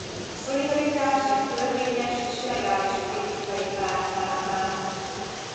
A Szolidaritás egy törvényes és legális politikai párttá vált.